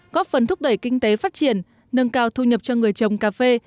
góp phần thúc đẩy kinh tế phát triển nâng cao thu nhập cho người trồng cà phê